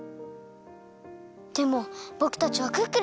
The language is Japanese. でもぼくたちはクックルンです！